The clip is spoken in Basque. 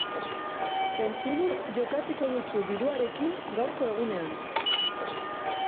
Zentzudun jokatuko duzu diruarekin gaurko egunean.